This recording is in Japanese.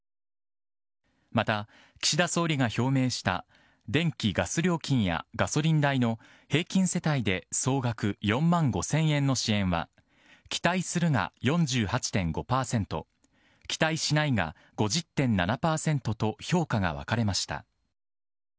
また、岸田総理が表明した電気・ガス料金やガソリン代の平均世帯で総額４万５０００円の支援は、期待するが４８．５％、期待しないが５０．７％と、評価が分かれました。